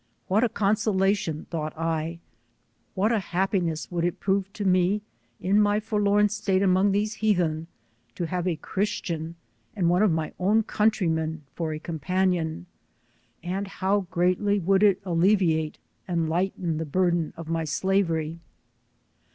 What a consolation thought I, what a happiness would it prove to me in my forlorn state among S7 these heathens, to have a Christian and one of my own countrymen for a companion, and how greatly would it alleviate and lighten the burden of my slavery.